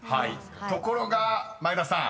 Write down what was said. ［ところが前田さん